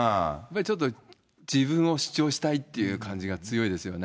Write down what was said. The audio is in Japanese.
ちょっと自分を主張したいっていう感じが強いですよね。